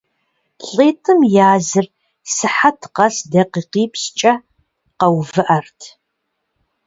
ЛӀитӀым языр сыхьэт къэс дакъикъипщӀкӀэ къэувыӀэрт.